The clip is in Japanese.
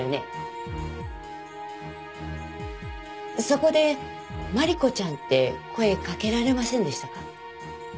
そこでまりこちゃんって声かけられませんでしたか？